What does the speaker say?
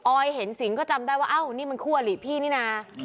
อยเห็นสิงก็จำได้ว่าเอ้านี่มันคู่อลิพี่นี่นะ